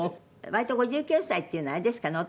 「割と５９歳っていうのはあれですかね